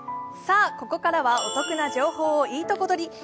ここからはお得な情報をいいとこ取り。